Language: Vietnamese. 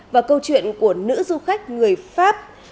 và câu chuyện của nữ du khách người pháp